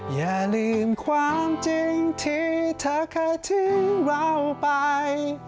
อย่าลืมความจริงที่เธอเคยทิ้งเราไป